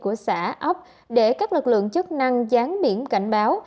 của xã ốc để các lực lượng chức năng dán biển cảnh báo